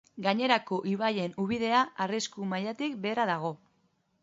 Gainerako ibaien ubidea arrisku mailatik behera dago.